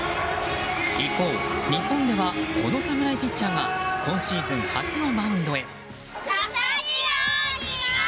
一方、日本ではこの侍ピッチャーが今シーズン初のマウンドへ。